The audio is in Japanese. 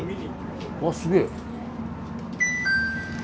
あすげえ。